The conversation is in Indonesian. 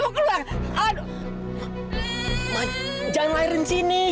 ma jangan lahirin sini